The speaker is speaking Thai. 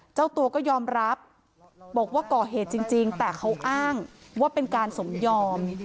เจ้าตัวก็ยอมรับบอกว่าก่อเหตุจริงแต่เขาอ้างว่าเป็นการสมยอม